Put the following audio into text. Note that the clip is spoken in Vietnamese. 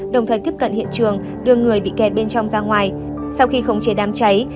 đồng thời tiếp cận hiện trường đưa người bị kẹt bên trong ra ngoài